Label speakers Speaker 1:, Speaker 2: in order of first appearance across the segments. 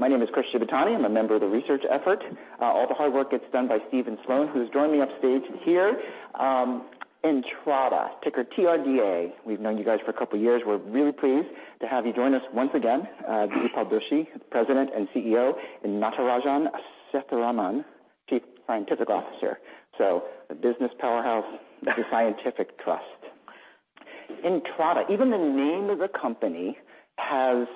Speaker 1: My name is Chris Shibutani. I'm a member of the research effort. All the hard work gets done by Stephen Sloan, who's joined me upstage here. Entrada, ticker TRDA. We've known you guys for a couple of years. We're really pleased to have you join us once again. Dipal Doshi, President and CEO, and Natarajan Sethuraman, Chief Scientific Officer. So a business powerhouse and scientific trust. Entrada, even the name of the company has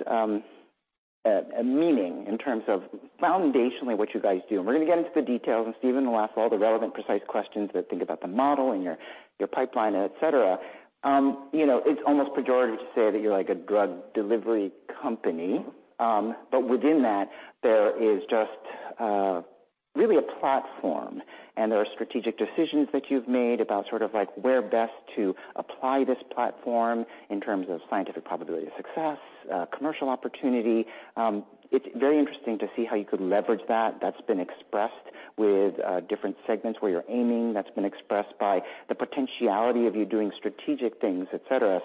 Speaker 1: a meaning in terms of foundationally what you guys do. We're going to get into the details, and Stephen will ask all the relevant, precise questions that think about the model and your pipeline, et cetera. You know, it's almost pejorative to say that you're like a drug delivery company. Within that, there is just really a platform, and there are strategic decisions that you've made about sort of like, where best to apply this platform in terms of scientific probability of success, commercial opportunity. It's very interesting to see how you could leverage that. That's been expressed with different segments where you're aiming, that's been expressed by the potentiality of you doing strategic things, et cetera.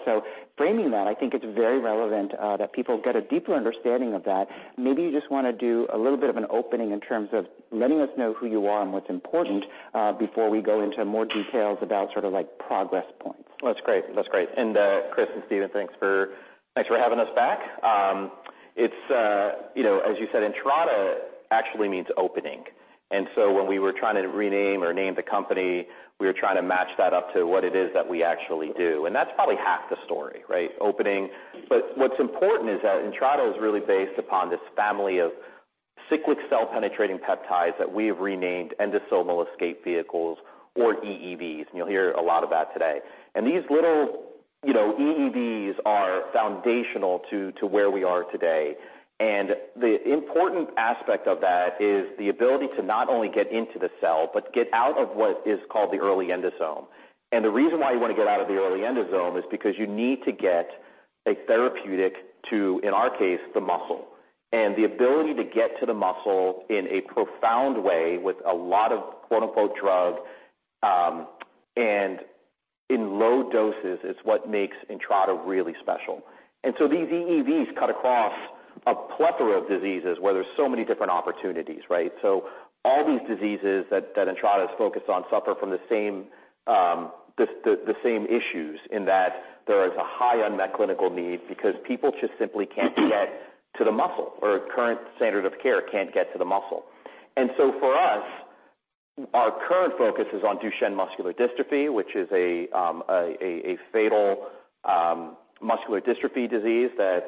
Speaker 1: Framing that, I think it's very relevant that people get a deeper understanding of that. Maybe you just want to do a little bit of an opening in terms of letting us know who you are and what's important before we go into more details about sort of like, progress points.
Speaker 2: Well, that's great. That's great. Chris and Stephen, thanks for having us back. It's, you know, as you said, Entrada actually means opening. When we were trying to rename or name the company, we were trying to match that up to what it is that we actually do, and that's probably half the story, right? Opening. What's important is that Entrada is really based upon this family of cyclic cell-penetrating peptides that we have renamed Endosomal Escape Vehicles or EEVs, and you'll hear a lot about today. These little, you know, EEVs are foundational to where we are today. The important aspect of that is the ability to not only get into the cell, but get out of what is called the early endosome. The reason why you want to get out of the early endosome is because you need to get a therapeutic to, in our case, the muscle. The ability to get to the muscle in a profound way with a lot of quote-unquote, "drug," and in low doses, is what makes Entrada really special. These EEVs cut across a plethora of diseases where there's so many different opportunities, right? All these diseases that Entrada is focused on suffer from the same issues in that there is a high unmet clinical need because people just simply can't get to the muscle, or current standard of care can't get to the muscle. For us, our current focus is on Duchenne muscular dystrophy, which is a fatal muscular dystrophy disease that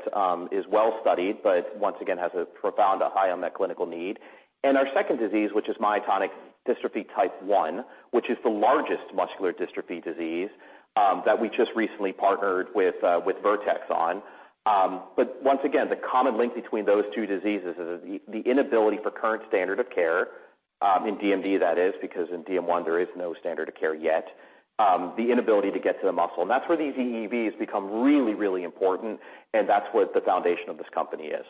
Speaker 2: is well-studied, but once again, has a profound, a high unmet clinical need. Our second disease, which is myotonic dystrophy type 1, which is the largest muscular dystrophy disease that we just recently partnered with Vertex on. Once again, the common link between those two diseases is the inability for current standard of care in DMD that is, because in DM1, there is no standard of care yet. The inability to get to the muscle, and that's where these EEVs become really, really important, and that's what the foundation of this company is.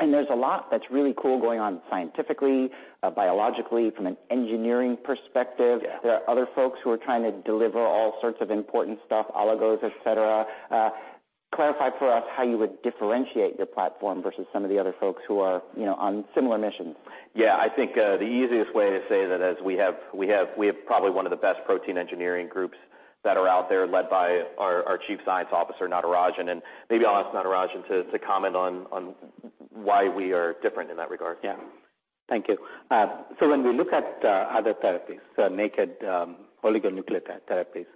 Speaker 1: There's a lot that's really cool going on scientifically, biologically, from an engineering perspective.
Speaker 2: Yeah.
Speaker 1: There are other folks who are trying to deliver all sorts of important stuff, oligos, et cetera. Clarify for us how you would differentiate your platform versus some of the other folks who are, you know, on similar missions.
Speaker 2: I think, the easiest way to say that is we have probably one of the best protein engineering groups that are out there, led by our Chief Scientific Officer, Natarajan. Maybe I'll ask Natarajan to comment on why we are different in that regard.
Speaker 3: Yeah. Thank you. When we look at other therapies, the naked oligonucleotide therapies,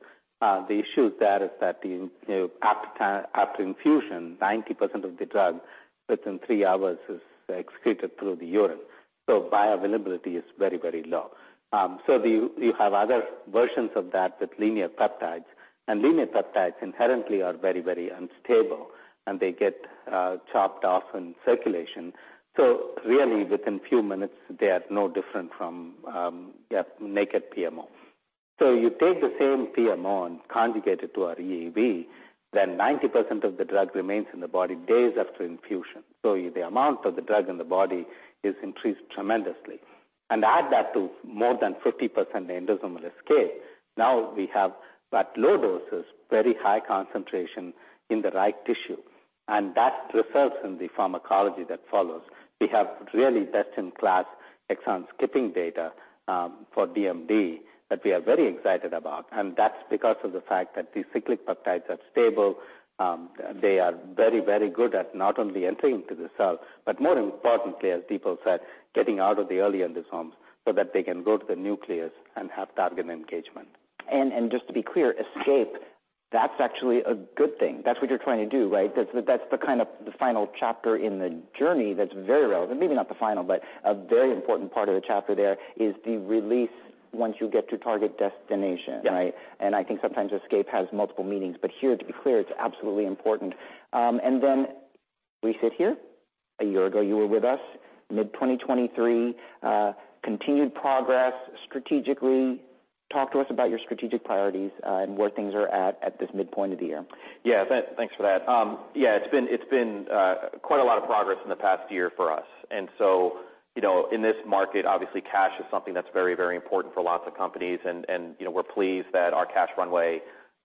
Speaker 3: the issue there is that, you know, after infusion, 90% of the drug within 3 hours is excreted through the urine. Bioavailability is very, very low. You have other versions of that with linear peptides, and linear peptides inherently are very, very unstable, and they get chopped off in circulation. Really, within few minutes, they are no different from naked PMO. You take the same PMO and conjugate it to our EEV, then 90% of the drug remains in the body days after infusion. The amount of the drug in the body is increased tremendously. Add that to more than 50% endosomal escape, now we have, at low doses, very high concentration in the right tissue, and that results in the pharmacology that follows. We have really best-in-class exon skipping data for DMD that we are very excited about, and that's because of the fact that these cyclic peptides are stable. They are very, very good at not only entering into the cell, but more importantly, as people said, getting out of the early endosomes so that they can go to the nucleus and have target engagement.
Speaker 1: Just to be clear, escape, that's actually a good thing. That's what you're trying to do, right? That's the kind of the final chapter in the journey that's very relevant. Maybe not the final, but a very important part of the chapter there is the release once you get to target destination.
Speaker 3: Yeah.
Speaker 1: Right? I think sometimes escape has multiple meanings, but here, to be clear, it's absolutely important. We sit here. A year ago, you were with us. Mid-2023, continued progress. Strategically, talk to us about your strategic priorities, and where things are at this midpoint of the year.
Speaker 2: Yeah, thanks for that. Yeah, it's been quite a lot of progress in the past year for us. You know, in this market, obviously, cash is something that's very, very important for lots of companies, and, you know, we're pleased that our cash runway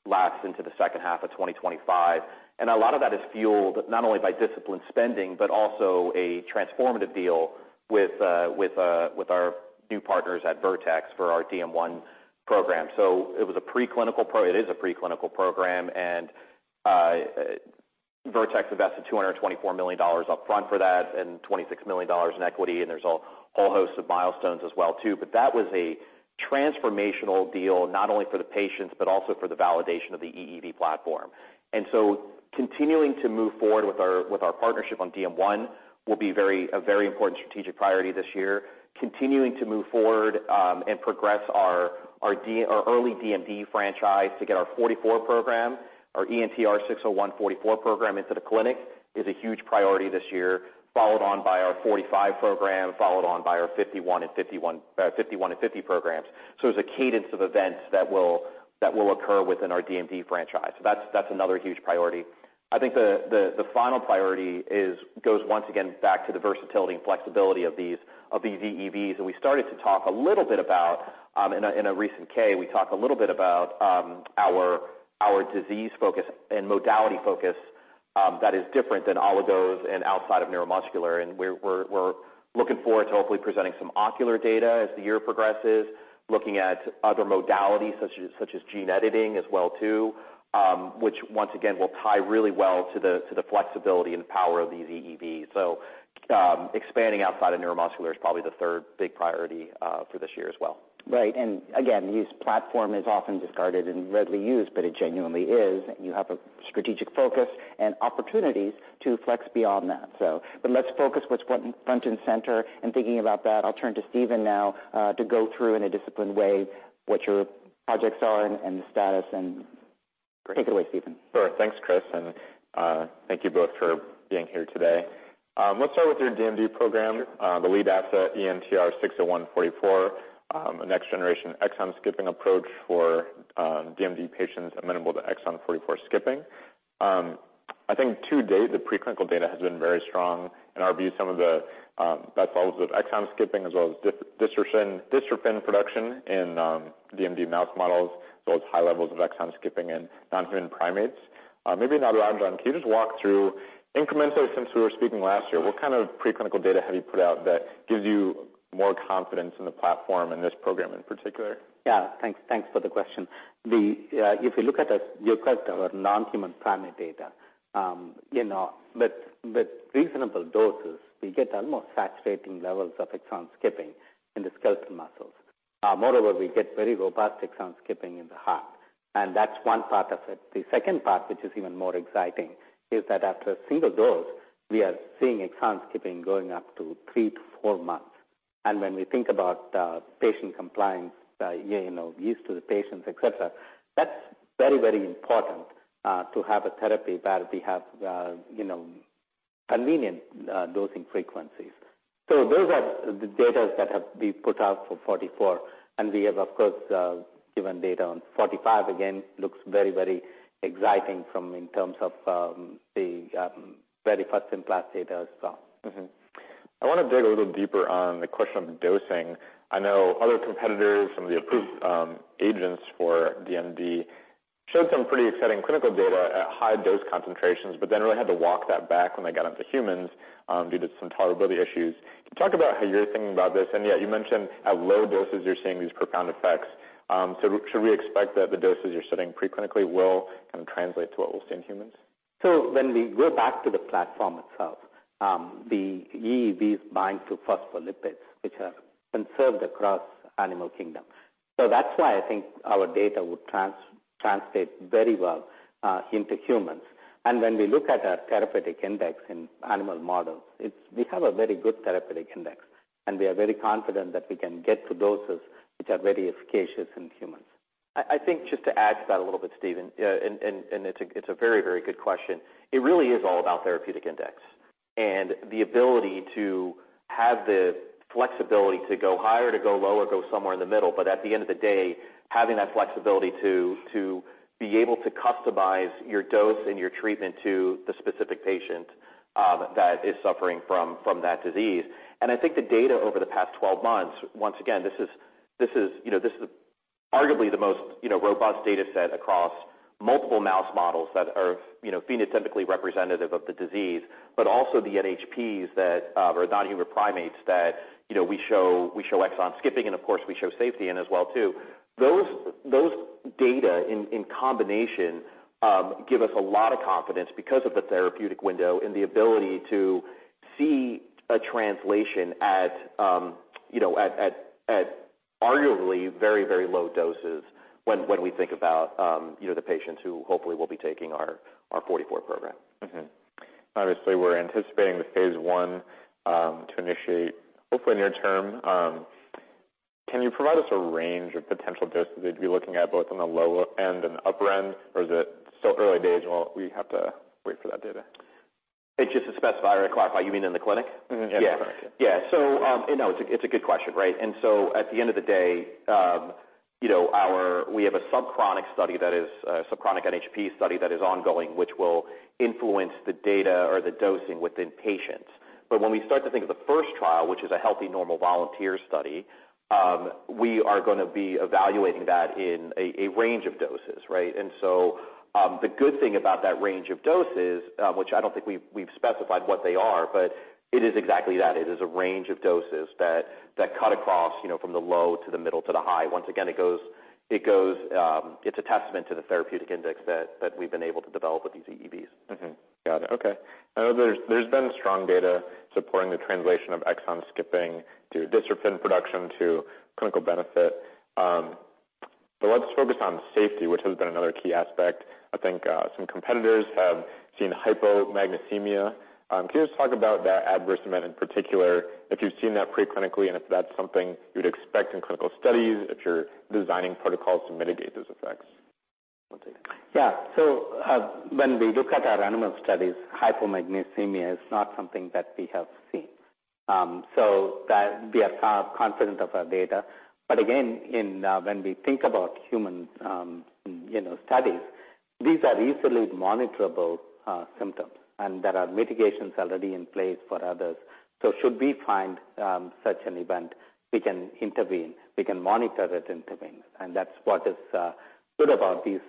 Speaker 2: lasts into the second half of 2025. A lot of that is fueled not only by disciplined spending, but also a transformative deal with our new partners at Vertex for our DM1 program. It is a preclinical program, Vertex invested $224 million upfront for that and $26 million in equity, and there's a whole host of milestones as well, too. That was a transformational deal, not only for the patients, but also for the validation of the EEV platform. Continuing to move forward with our partnership on DM1 will be a very important strategic priority this year. Continuing to move forward and progress our early DMD franchise to get our 44 program, our ENTR-601-44 program into the clinic is a huge priority this year, followed on by our 45 program, followed on by our 51 and 50 programs. There's a cadence of events that will occur within our DMD franchise. That's another huge priority. I think the final priority is, goes once again back to the versatility and flexibility of these EEV. We started to talk a little bit about. In a recent K, we talked a little bit about our disease focus and modality focus, that is different than oligos and outside of neuromuscular, and we're looking forward to hopefully presenting some ocular data as the year progresses, looking at other modalities, such as gene editing as well, too, which once again, will tie really well to the flexibility and power of these EEV. Expanding outside of neuromuscular is probably the third big priority for this year as well.
Speaker 1: Right. Again, use platform is often discarded and readily used, but it genuinely is. You have a strategic focus and opportunities to flex beyond that. But let's focus what's front and center, and thinking about that, I'll turn to Stephen now to go through in a disciplined way what your projects are and the status, and take it away, Stephen.
Speaker 4: Sure. Thanks, Chris, and thank you both for being here today. Let's start with your DMD program, the lead asset, ENTR-601-44, a next-generation exon skipping approach for DMD patients amenable to exon 44 skipping. I think to date, the preclinical data has been very strong. In our view, some of the, that's levels of exon skipping as well as dystrophin production in DMD mouse models, those high levels of exon skipping in non-human primates. Maybe, Dr. Natarajan, can you just walk through incrementally since we were speaking last year, what kind of preclinical data have you put out that gives you more confidence in the platform and this program in particular?
Speaker 3: Yeah, thanks. Thanks for the question. The, if you look at us, you looked at our non-human primate data, with reasonable doses, we get almost saturating levels of exon skipping in the skeletal muscles. Moreover, we get very robust exon skipping in the heart, and that's one part of it. The second part, which is even more exciting, is that after a single dose, we are seeing exon skipping going up to 3 to 4 months. When we think about patient compliance, use to the patients, et cetera, that's very, very important to have a therapy where we have convenient dosing frequencies. Those are the datas that have been put out for 44, and we have, of course, given data on 45. Looks very exciting from in terms of, the, very first in class data as well.
Speaker 4: I want to dig a little deeper on the question of dosing. I know other competitors, some of the approved agents for DMD, showed some pretty exciting clinical data at high dose concentrations, but then really had to walk that back when they got into humans due to some tolerability issues. Can you talk about how you're thinking about this? And yeah, you mentioned at low doses, you're seeing these profound effects. So should we expect that the doses you're setting preclinically will kind of translate to what we'll see in humans?
Speaker 3: When we go back to the platform itself, the EEV bind to phospholipids, which are conserved across animal kingdom. That's why I think our data would translate very well into humans. When we look at our therapeutic index in animal models, we have a very good therapeutic index, and we are very confident that we can get to doses which are very efficacious in humans.
Speaker 2: I think just to add to that a little bit, Stephen, and it's a very, very good question. It really is all about therapeutic index and the ability to have the flexibility to go higher, to go lower, go somewhere in the middle, but at the end of the day, having that flexibility to be able to customize your dose and your treatment to the specific patient that is suffering from that disease. I think the data over the past 12 months, once again, this is, you know, this is arguably the most, you know, robust data set across multiple mouse models that are, you know, phenotypically representative of the disease, but also the NHPs or non-human primates, that, you know, we show exon skipping, and of course, we show safety in as well, too. Those data in combination give us a lot of confidence because of the therapeutic window and the ability to see a translation at, you know, at arguably very, very low doses when we think about, you know, the patients who hopefully will be taking our 44 program.
Speaker 4: Obviously, we're anticipating the phase I to initiate, hopefully near term. Can you provide us a range of potential doses that you'd be looking at, both on the lower end and upper end, or is it still early days, well, we have to wait for that data?
Speaker 2: Just to specify or clarify, you mean in the clinic?
Speaker 4: Mm-hmm.
Speaker 2: Yeah.
Speaker 4: Yeah.
Speaker 2: Yeah. You know, it's a good question, right? At the end of the day, you know, we have a subchronic study that is subchronic NHP study that is ongoing, which will influence the data or the dosing within patients. When we start to think of the first trial, which is a healthy normal volunteer study, we are gonna be evaluating that in a range of doses, right? The good thing about that range of doses, which I don't think we've specified what they are, but it is exactly that. It is a range of doses that cut across, you know, from the low to the middle to the high. Once again, it goes, it's a testament to the therapeutic index that we've been able to develop with these EEV.
Speaker 4: Got it. Okay. I know there's been strong data supporting the translation of exon skipping to dystrophin production to clinical benefit. Let's focus on safety, which has been another key aspect. I think some competitors have seen hypomagnesemia. Can you just talk about that adverse event in particular, if you've seen that preclinically, and if that's something you'd expect in clinical studies, if you're designing protocols to mitigate those effects?
Speaker 3: Yeah. When we look at our animal studies, hypomagnesemia is not something that we have seen. So that we are confident of our data. Again, when we think about human, you know, studies, these are easily monitorable symptoms, and there are mitigations already in place for others. Should we find such an event, we can intervene. We can monitor it, intervene, and that's what is good about these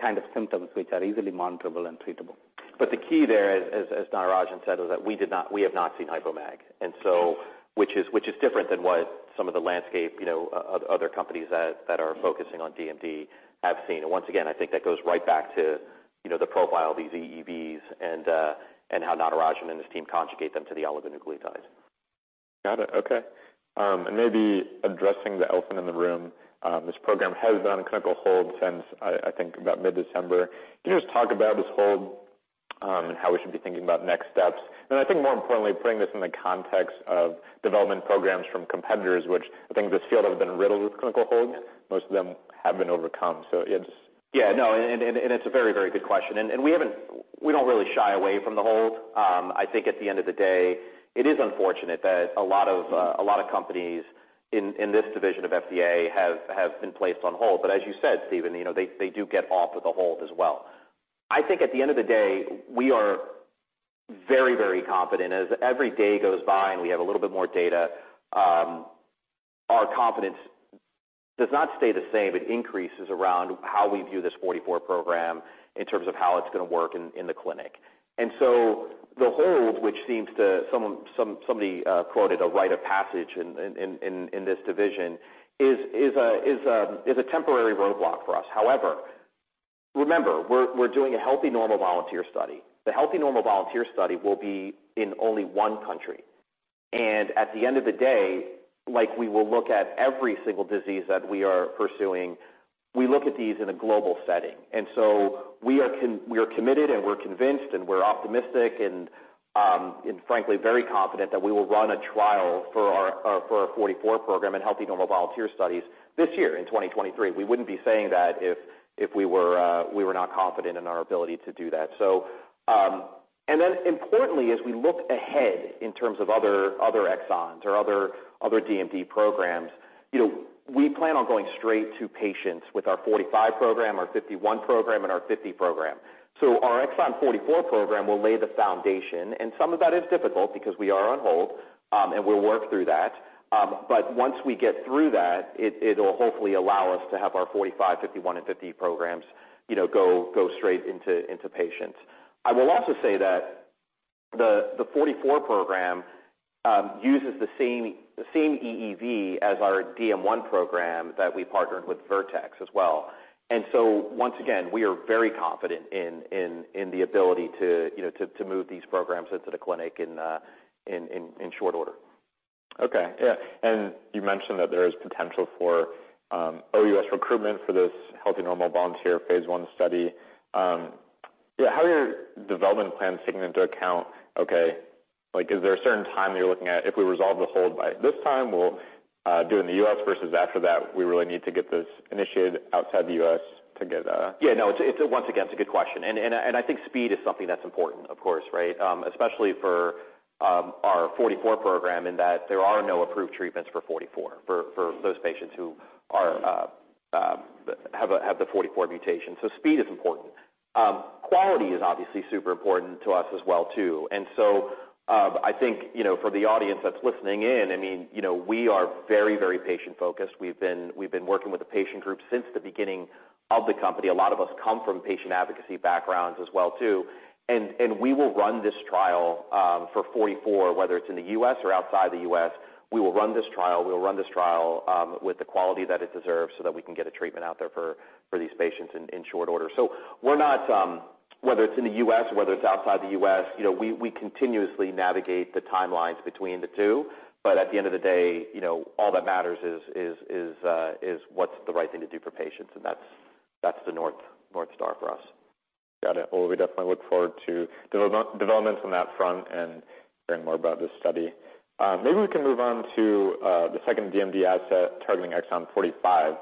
Speaker 3: kind of symptoms, which are easily monitorable and treatable.
Speaker 2: The key there, as Natarajan said, is that we have not seen hypomag. Which is different than what some of the landscape, you know, other companies that are focusing on DMD have seen. Once again, I think that goes right back to, you know, the profile of these EEV and how Natarajan and his team conjugate them to the oligonucleotides.
Speaker 4: Got it. Okay. maybe addressing the elephant in the room, this program has been on clinical hold since, I think about mid-December. Can you just talk about this hold, and how we should be thinking about next steps? I think more importantly, putting this in the context of development programs from competitors, which I think this field has been riddled with clinical holds, most of them have been overcome.
Speaker 2: Yeah, no, and it's a very good question. We don't really shy away from the hold. I think at the end of the day, it is unfortunate that a lot of companies in this division of FDA have been placed on hold. As you said, Stephen, you know, they do get off of the hold as well. I think at the end of the day, we are very confident. As every day goes by and we have a little bit more data, our confidence does not stay the same. It increases around how we view this 44 program in terms of how it's gonna work in the clinic. The hold, which seems to... Somebody quoted a rite of passage in this division, is a temporary roadblock for us. However, remember, we're doing a healthy normal volunteer study. The healthy normal volunteer study will be in only one country. At the end of the day, like, we will look at every single disease that we are pursuing, we look at these in a global setting, so we are committed, and we're convinced, and we're optimistic, and frankly, very confident that we will run a trial for our for our 44 program in healthy normal volunteer studies this year, in 2023. We wouldn't be saying that if we were not confident in our ability to do that. Importantly, as we look ahead in terms of other exons or other DMD programs, you know, we plan on going straight to patients with our 45 program, our 51 program, and our 50 program. Our exon 44 program will lay the foundation, and some of that is difficult because we are on hold, and we'll work through that. Once we get through that, it'll hopefully allow us to have our 45, 51, and 50 programs, you know, go straight into patients. I will also say that the 44 program uses the same EEV as our DM1 program that we partnered with Vertex as well. Once again, we are very confident in the ability to, you know, to move these programs into the clinic in short order.
Speaker 4: Okay. Yeah, you mentioned that there is potential for OUS recruitment for this healthy, normal volunteer phase I study. Yeah, how are your development plans taking into account, okay, like, is there a certain time you're looking at? If we resolve the hold by this time, we'll do it in the U.S. versus after that, we really need to get this initiated outside the U.S. to get.
Speaker 2: Yeah, no, it's, once again, it's a good question. I think speed is something that's important, of course, right? Especially for our 44 program, in that there are no approved treatments for 44, for those patients who have the 44 mutation. Speed is important. Quality is obviously super important to us as well, too. I think, you know, for the audience that's listening in, I mean, you know, we are very, very patient-focused. We've been working with the patient group since the beginning of the company. A lot of us come from patient advocacy backgrounds as well, too. We will run this trial for 44, whether it's in the U.S. or outside the U.S., we will run this trial. We will run this trial, with the quality that it deserves so that we can get a treatment out there for these patients in short order. We're not, whether it's in the U.S., whether it's outside the U.S., you know, we continuously navigate the timelines between the two. At the end of the day, you know, all that matters is what's the right thing to do for patients, and that's the North Star for us.
Speaker 4: Got it. Well, we definitely look forward to developments on that front and learning more about this study. Maybe we can move on to the second DMD asset, targeting exon 45,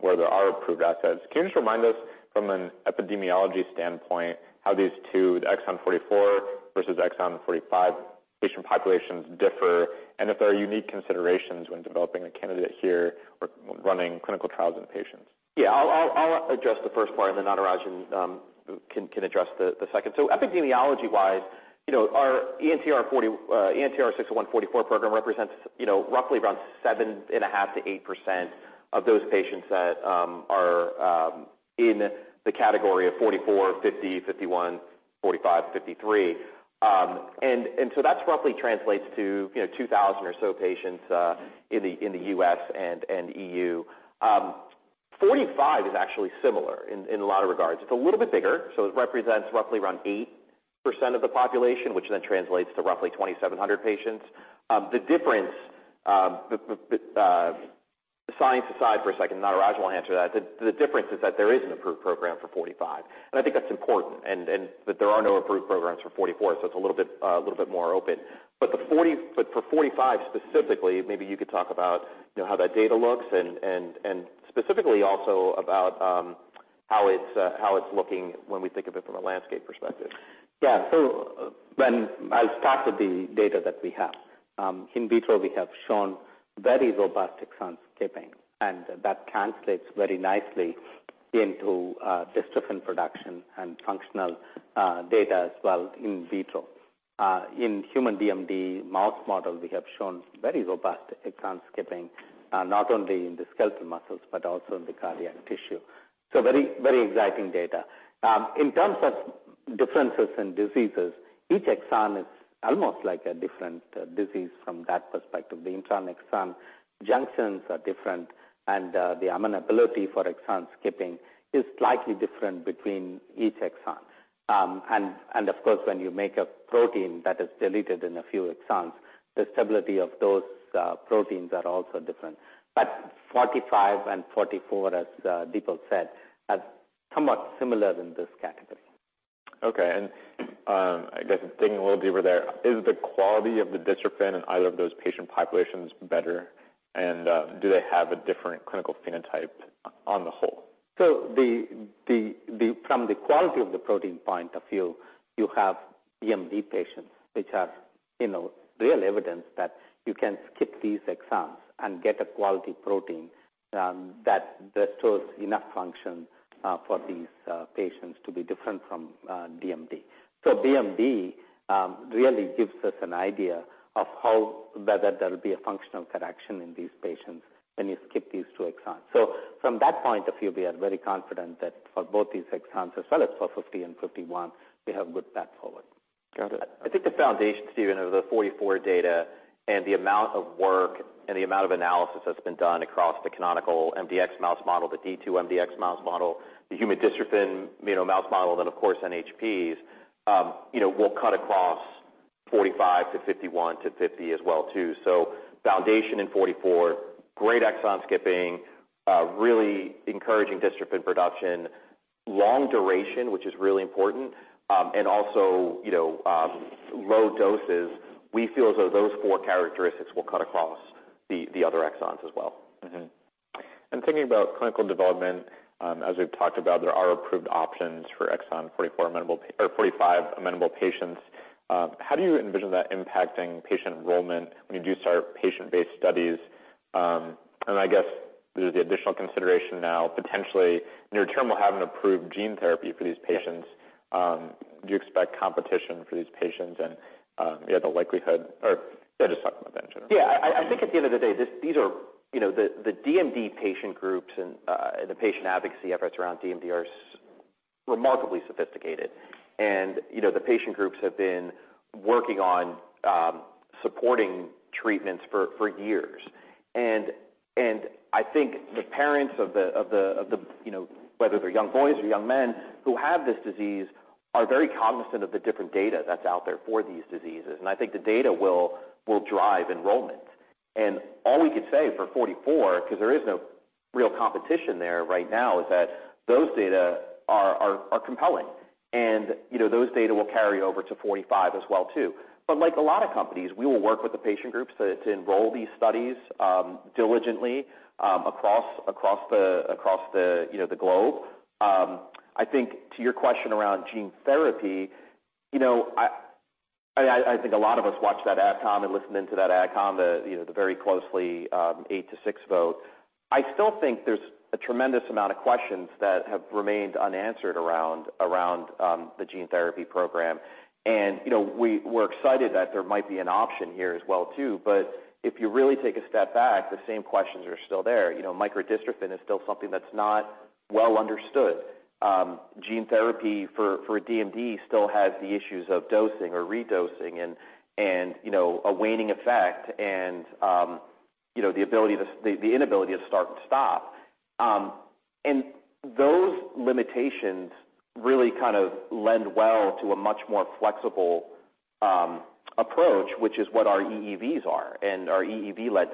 Speaker 4: where there are approved assets. Can you just remind us from an epidemiology standpoint, how these two, exon 44 versus exon 45 patient populations differ, and if there are unique considerations when developing a candidate here or running clinical trials in patients?
Speaker 2: Yeah, I'll address the first part. Natarajan can address the second. epidemiology-wise, you know, our ENTR-601-44 program represents, you know, roughly around 7.5%-8% of those patients that are in the category of 44, 50, 51, 45, 53. that's roughly translates to, you know, 2,000 or so patients in the U.S. and EU. 45 is actually similar in a lot of regards. It's a little bit bigger. It represents roughly around 8% of the population, which translates to roughly 2,700 patients. The difference, the science aside for a second, Natarajan will answer that. The difference is that there is an approved program for 45, and I think that's important, and that there are no approved programs for 44, so it's a little bit, a little bit more open. For 45 specifically, maybe you could talk about, you know, how that data looks and specifically also about how it's looking when we think of it from a landscape perspective.
Speaker 3: Yeah. When I started the data that we have, in vitro, we have shown very robust exon skipping, and that translates very nicely into dystrophin production and functional data as well in vitro. In human DMD mouse model, we have shown very robust exon skipping, not only in the skeletal muscles, but also in the cardiac tissue. Very, very exciting data. In terms of differences in diseases, each exon is almost like a different disease from that perspective. The intron-exon junctions are different, the amenability for exon skipping is slightly different between each exon. Of course, when you make a protein that is deleted in a few exons, the stability of those proteins are also different. 45 and 44, as Dipal said, are somewhat similar in this category.
Speaker 4: Okay. I guess digging a little deeper there, is the quality of the dystrophin in either of those patient populations better? Do they have a different clinical phenotype on the whole?
Speaker 3: From the quality of the protein point of view, you have DMD patients, which have, you know, real evidence that you can skip these exons and get a quality protein that restores enough function for these patients to be different from DMD. BMD really gives us an idea of how whether there will be a functional correction in these patients when you skip these two exons. From that point of view, we are very confident that for both these exons, as well as for 50 and 51, we have a good path forward.
Speaker 4: Got it.
Speaker 2: I think the foundation, Stephen, of the 44 data and the amount of work and the amount of analysis that's been done across the canonical mdx mouse model, the D2-mdx mouse model, the human dystrophin, you know, mouse model, then, of course, NHPs, you know, will cut across 45 to 51 to 50 as well, too. Foundation in 44, great exon skipping, really encouraging dystrophin production, long duration, which is really important, and also, you know, low doses. We feel as though those four characteristics will cut across the other exons as well.
Speaker 4: Thinking about clinical development, as we've talked about, there are approved options for exon 44 amenable, or 45 amenable patients. How do you envision that impacting patient enrollment when you do start patient-based studies? I guess there's the additional consideration now, potentially nearer term, we'll have an approved gene therapy for these patients. Do you expect competition for these patients and, you know, the likelihood or just talk about that in general?
Speaker 2: Yeah. I think at the end of the day, these are, you know, the DMD patient groups and the patient advocacy efforts around DMD are remarkably sophisticated. You know, the patient groups have been working on supporting treatments for years. I think the parents of the, you know, whether they're young boys or young men, who have this disease, are very cognizant of the different data that's out there for these diseases. I think the data will drive enrollment. All we could say for 44, 'cause there is no real competition there right now, is that those data are compelling. You know, those data will carry over to 45 as well, too. Like a lot of companies, we will work with the patient groups to enroll these studies, diligently, across the, you know, the globe. I think to your question around gene therapy, you know, I think a lot of us watched that AdComm and listened into that AdComm, the, you know, the very closely, eight to six vote. I still think there's a tremendous amount of questions that have remained unanswered around the gene therapy program. You know, we're excited that there might be an option here as well, too. If you really take a step back, the same questions are still there. You know, micro-dystrophin is still something that's not well understood. gene therapy for DMD still has the issues of dosing or redosing and, you know, a waning effect and, you know, the inability to start and stop. Those limitations really kind of lend well to a much more flexible approach, which is what our EEVs are and our EEV-led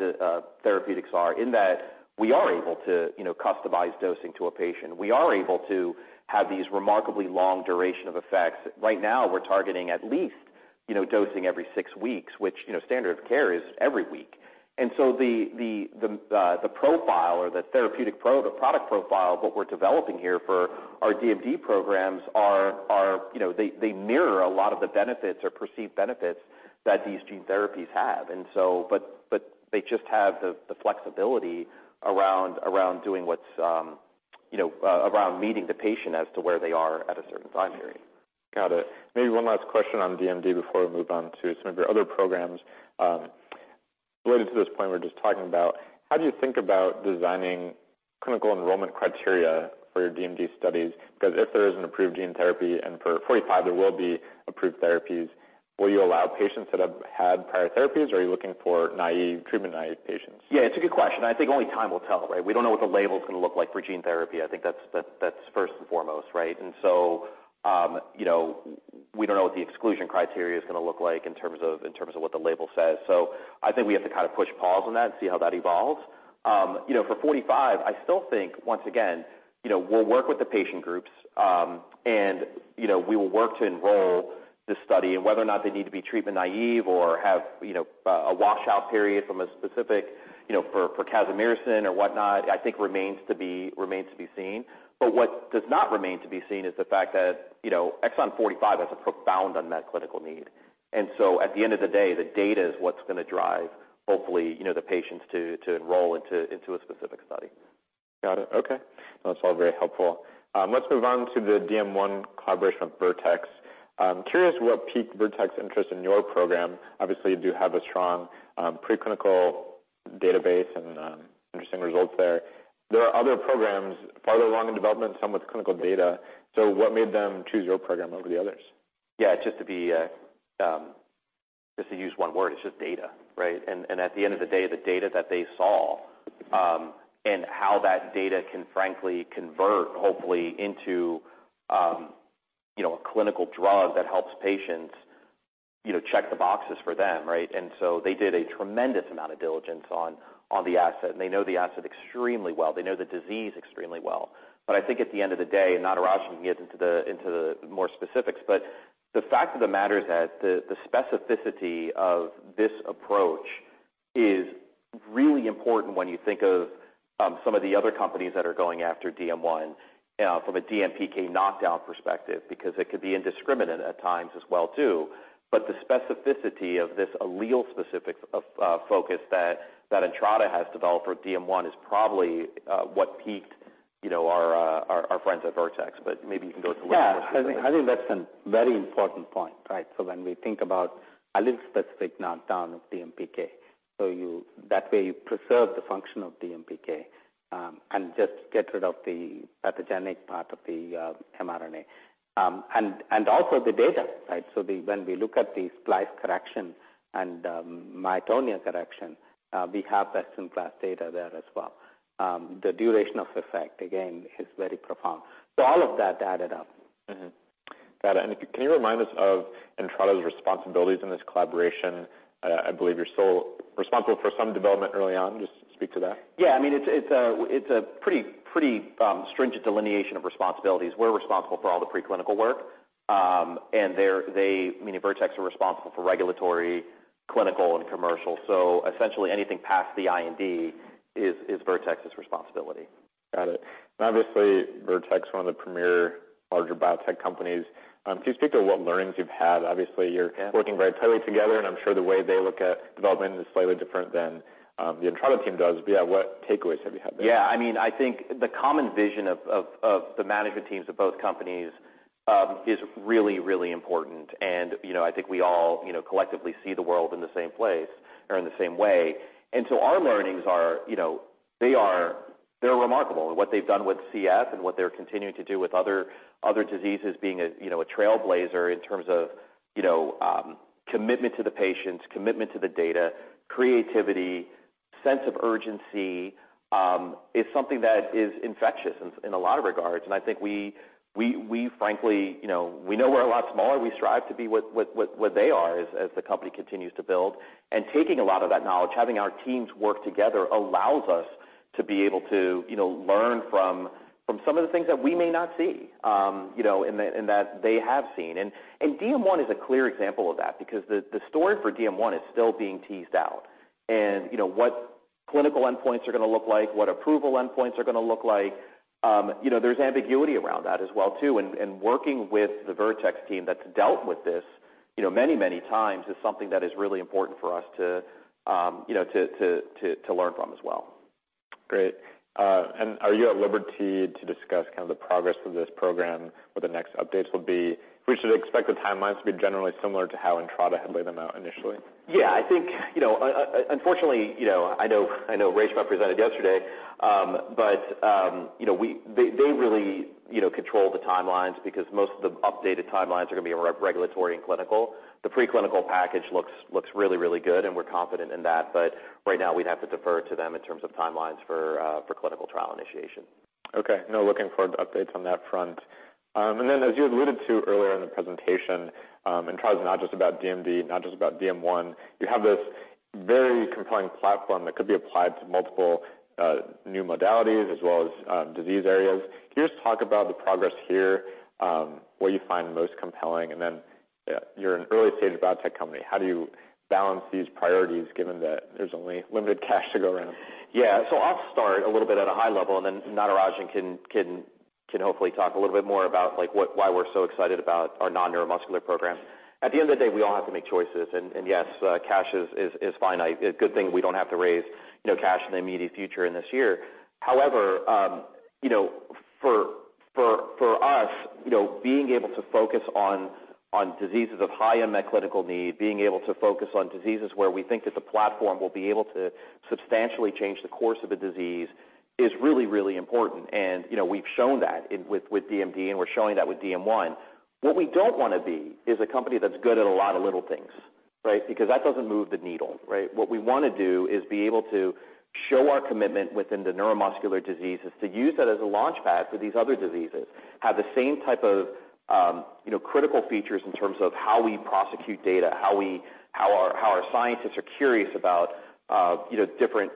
Speaker 2: therapeutics are, in that we are able to, you know, customize dosing to a patient. We are able to have these remarkably long duration of effects. Right now, we're targeting at least, you know, dosing every six weeks, which, you know, standard of care is every week. The profile or the therapeutic product profile, what we're developing here for our DMD programs are, you know, they mirror a lot of the benefits or perceived benefits that these gene therapies have. They just have the flexibility around doing what's, you know, around meeting the patient as to where they are at a certain time period.
Speaker 4: Got it. Maybe one last question on DMD before we move on to some of your other programs. Related to this point we were just talking about, how do you think about designing clinical enrollment criteria for your DMD studies? If there is an approved gene therapy, and for 45, there will be approved therapies, will you allow patients that have had prior therapies, or are you looking for naive, treatment-naive patients?
Speaker 2: Yeah, it's a good question. I think only time will tell, right? We don't know what the label is going to look like for gene therapy. I think that's first and foremost, right? You know, we don't know what the exclusion criteria is going to look like in terms of what the label says. I think we have to kind of push pause on that and see how that evolves. You know, for 45, I still think, once again, you know, we'll work with the patient groups, you know, we will work to enroll this study. Whether or not they need to be treatment naive or have, you know, a washout period from a specific, you know, for casimersen or whatnot, I think remains to be seen. What does not remain to be seen is the fact that, you know, exon 45 has a profound unmet clinical need. At the end of the day, the data is what's going to drive, hopefully, you know, the patients to enroll into a specific study.
Speaker 4: Got it. Okay. That's all very helpful. Let's move on to the DM1 collaboration with Vertex. I'm curious what piqued Vertex interest in your program. Obviously, you do have a strong, preclinical database and interesting results there. There are other programs farther along in development, some with clinical data. What made them choose your program over the others?
Speaker 2: Yeah, just to use one word, it's just data, right? At the end of the day, the data that they saw, and how that data can frankly convert hopefully into, you know, a clinical drug that helps patients, you know, check the boxes for them, right? They did a tremendous amount of diligence on the asset, and they know the asset extremely well. They know the disease extremely well. I think at the end of the day, and Natarajan can get into the more specifics, but the fact of the matter is that the specificity of this approach is really important when you think of some of the other companies that are going after DM1 from a DMPK knockout perspective, because it could be indiscriminate at times as well, too. The specificity of this allele-specific focus that Entrada has developed for DM1 is probably what piqued, you know, our friends at Vertex, but maybe you can go into a little more.
Speaker 3: Yeah, I think that's a very important point, right? When we think about allele-specific knockdown of DMPK, that way, you preserve the function of DMPK, and just get rid of the pathogenic part of the mRNA. And also the data, right? When we look at the splice correction and myotonia correction, we have best-in-class data there as well. The duration of effect, again, is very profound. All of that added up.
Speaker 4: Got it. Can you remind us of Entrada's responsibilities in this collaboration? I believe you're still responsible for some development early on. Just speak to that.
Speaker 2: Yeah, I mean, it's a pretty stringent delineation of responsibilities. We're responsible for all the preclinical work, and they're, I mean, Vertex are responsible for regulatory, clinical, and commercial. Essentially, anything past the IND is Vertex's responsibility.
Speaker 4: Got it. Obviously, Vertex, one of the premier larger biotech companies. Can you speak to what learnings you've had? Obviously,
Speaker 2: Yeah...
Speaker 4: working very tightly together, I'm sure the way they look at development is slightly different than the Entrada team does, but yeah, what takeaways have you had there?
Speaker 2: Yeah, I mean, I think the common vision of the management teams of both companies is really, really important. You know, I think we all, you know, collectively see the world in the same place or in the same way. Our learnings are, you know, they're remarkable. What they've done with CF and what they're continuing to do with other diseases, being a, you know, a trailblazer in terms of, you know, commitment to the patients, commitment to the data, creativity, sense of urgency, is something that is infectious in a lot of regards. I think we frankly, you know, we know we're a lot smaller. We strive to be what they are as the company continues to build. Taking a lot of that knowledge, having our teams work together, allows us to be able to, you know, learn from some of the things that we may not see, you know, and that they have seen. DM1 is a clear example of that, because the story for DM1 is still being teased out. What clinical endpoints are going to look like, what approval endpoints are going to look like, you know, there's ambiguity around that as well, too. Working with the Vertex team that's dealt with this, you know, many times, is something that is really important for us to, you know, to learn from as well.
Speaker 4: Great. Are you at liberty to discuss kind of the progress of this program, what the next updates will be? We should expect the timelines to be generally similar to how Entrada had laid them out initially.
Speaker 2: Yeah, I think, you know, unfortunately, you know, I know, I know Reshma presented yesterday, but, you know, they really, you know, control the timelines because most of the updated timelines are going to be regulatory and clinical. The preclinical package looks really, really good, and we're confident in that, but right now we'd have to defer to them in terms of timelines for clinical trial initiation.
Speaker 4: Okay. No, looking forward to updates on that front. As you had alluded to earlier in the presentation, Entrada is not just about DMD, not just about DM1. You have this very compelling platform that could be applied to multiple new modalities as well as disease areas. Can you just talk about the progress here, what you find most compelling, and then, you're an early-stage biotech company. How do you balance these priorities, given that there's only limited cash to go around?
Speaker 2: Yeah. I'll start a little bit at a high level, and then Natarajan can hopefully talk a little bit more about, like, what, why we're so excited about our non-neuromuscular programs. At the end of the day, we all have to make choices. Yes, cash is finite. A good thing we don't have to raise, you know, cash in the immediate future in this year. For us, you know, being able to focus on diseases of high unmet clinical need, being able to focus on diseases where we think that the platform will be able to substantially change the course of a disease, is really important. You know, we've shown that with DMD, and we're showing that with DM1. What we don't want to be is a company that's good at a lot of little things, right? Because that doesn't move the needle, right? What we want to do is be able to show our commitment within the neuromuscular diseases, to use that as a launchpad for these other diseases. Have the same type of, you know, critical features in terms of how we prosecute data, how our scientists are curious about, you know, different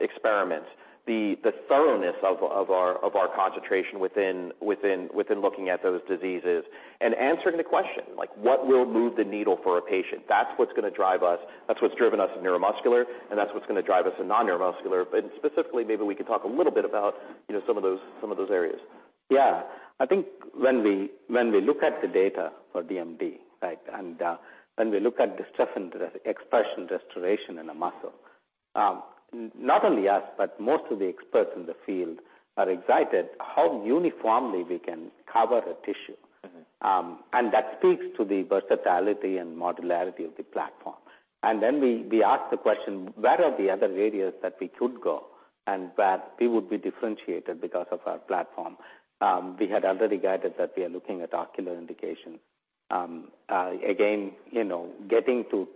Speaker 2: experiments. The thoroughness of our concentration within looking at those diseases and answering the question, like, what will move the needle for a patient? That's what's gonna drive us. That's what's driven us in neuromuscular, and that's what's gonna drive us in non-neuromuscular. Specifically, maybe we can talk a little bit about, you know, some of those areas.
Speaker 3: Yeah. I think when we, when we look at the data for DMD, right, and when we look at the expression restoration in a muscle, not only us, but most of the experts in the field are excited how uniformly we can cover a tissue.
Speaker 2: Mm-hmm.
Speaker 3: That speaks to the versatility and modularity of the platform. We ask the question, where are the other areas that we could go and where we would be differentiated because of our platform? We had already guided that we are looking at ocular indication. Again, you know, getting to,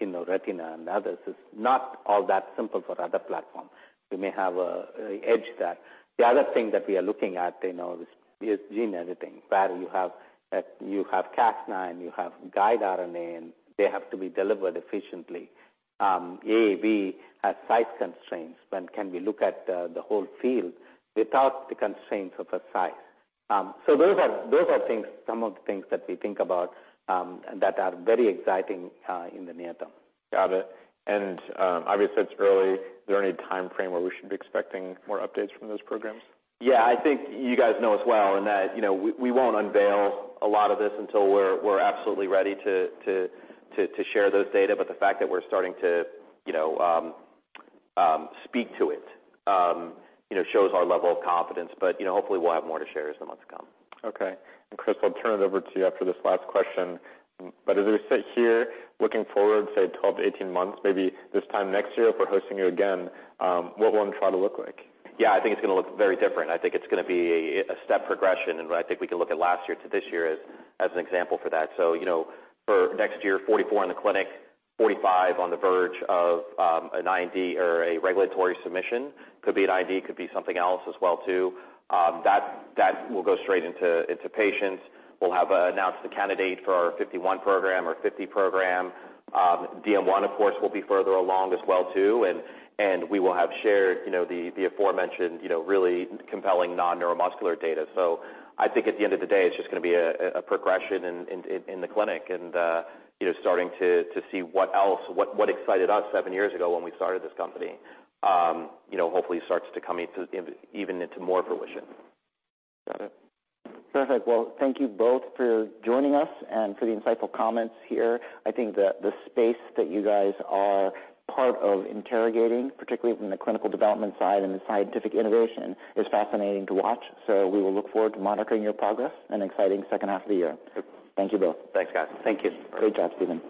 Speaker 3: you know, retina and others is not all that simple for other platforms. We may have a edge there. The other thing that we are looking at, you know, is gene editing, where you have Cas9, you have guide RNA, and they have to be delivered efficiently. AAV has size constraints, when can we look at the whole field without the constraints of a size? Those are things, some of the things that we think about, that are very exciting, in the near term.
Speaker 4: Got it. Obviously, it's early. Is there any time frame where we should be expecting more updates from those programs?
Speaker 2: Yeah, I think you guys know as well, and that, you know, we won't unveil a lot of this until we're absolutely ready to share those data. The fact that we're starting to, you know, speak to it, you know, shows our level of confidence. You know, hopefully, we'll have more to share as the months come.
Speaker 4: Okay. Chris, I'll turn it over to you after this last question. As we sit here, looking forward, say, 12-18 months, maybe this time next year, if we're hosting you again, what will Entrada look like?
Speaker 2: Yeah, I think it's gonna look very different. I think it's gonna be a step progression, I think we can look at last year to this year as an example for that. You know, for next year, 44 in the clinic, 45 on the verge of an ID or a regulatory submission. Could be an ID, could be something else as well, too. That will go straight into patients. We'll have announced the candidate for our 51 program or 50 program. DM1, of course, will be further along as well, too, and we will have shared, you know, the aforementioned, you know, really compelling non-neuromuscular data. I think at the end of the day, it's just gonna be a progression in the clinic and, you know, starting to see what else, what excited us seven years ago when we started this company, you know, hopefully starts to come even into more fruition.
Speaker 4: Got it.
Speaker 1: Perfect. Well, thank you both for joining us and for the insightful comments here. I think that the space that you guys are part of interrogating, particularly from the clinical development side and the scientific innovation, is fascinating to watch. We will look forward to monitoring your progress and exciting second half of the year.
Speaker 2: Sure.
Speaker 1: Thank you both.
Speaker 2: Thanks, guys.
Speaker 3: Thank you.
Speaker 1: Great job, Stephen.